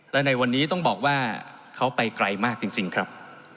และในวันนี้ต้องบอกว่าเขาไปไกลมากจริงครับ